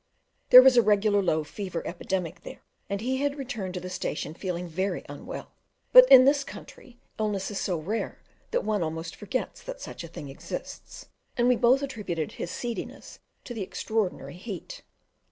There was a regular low fever epidemic there, and, he had returned to the station feeling very unwell; but in this country illness is so rare that one almost forgets that such a thing exists, and we both attributed his seediness to the extraordinary heat.